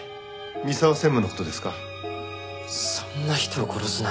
三澤専務の事ですか？